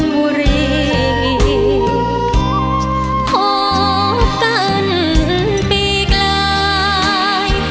มุรีพบกันปีใกล้